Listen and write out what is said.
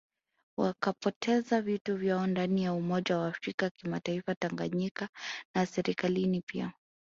Wakapoteza vitu vyao ndani ya umoja wa afrika kitaifa Tanganyika na Serikalini pia